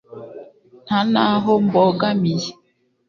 nta naho mbogamiye